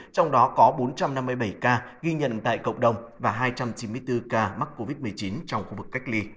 trong đó có bốn trăm năm mươi bảy ca ghi nhận tại cộng đồng và hai trăm chín mươi bốn ca mắc covid một mươi chín trong khu vực cách ly